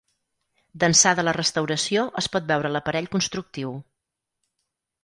D'ençà de la restauració es pot veure l'aparell constructiu.